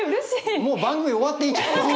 もう番組終わっていいんじゃないですか？